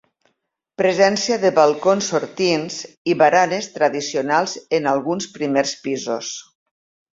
Presència de balcons sortints i baranes tradicionals en alguns primers pisos.